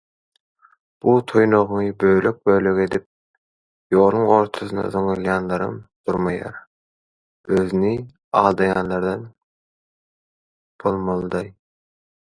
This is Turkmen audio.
Bu toýnagyňy bölek-bölek edip ýoluň ortarasyna zyňaýynlaram durmaýar, özüni aldaýanlardan bolmalydaý.